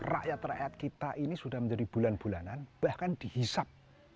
rakyat rakyat kita ini sudah menjadi bulan bulanan bahkan dihisap